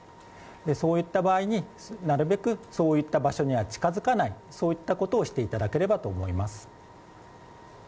そういった場合になるべくそういった場所には近づかないといったことをしていただければと思います。